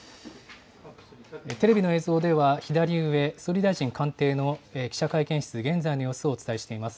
テレビの映像では左上、総理大臣官邸の記者会見室、現在の様子をお伝えしています。